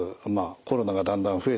コロナがだんだん増えてきてる。